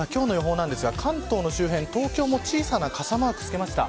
関東の周辺、東京も小さな傘マーク付けました。